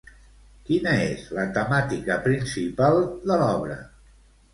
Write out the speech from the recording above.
Quina és la temàtica principal de l'obra?